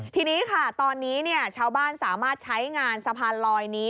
ทีนี้ค่ะตอนนี้ชาวบ้านสามารถใช้งานสะพานลอยนี้